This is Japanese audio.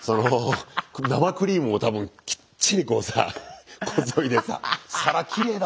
生クリームも多分きっちりこうさこそいでさ皿きれいだったなぁ。